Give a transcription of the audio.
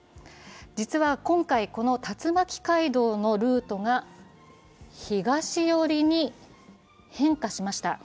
実は今回、この竜巻街道のルートが東寄りに変化しました。